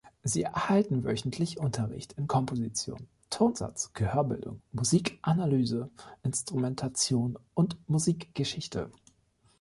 Sie erhalten wöchentlich Unterricht in Komposition, Tonsatz, Gehörbildung, Musikanalyse, Instrumentation und Musikgeschichte.